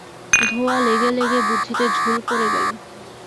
ধোঁওয়া লেগে লেগে বুদ্ধিতে ঝুল পড়ে গেল!